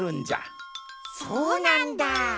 そうなんだ。